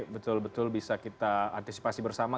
betul betul bisa kita antisipasi bersama